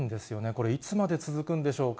これ、いつまで続くんでしょうか？